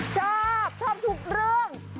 ชอบชอบทุกเรื่อง